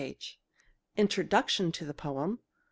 1 " Introduction to the poem